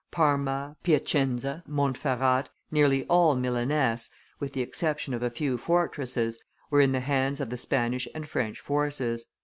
Parma, Piacenza, Montferrat, nearly all Milaness, with the exception of a few fortresses, were in the hands of the Spanish and French forces.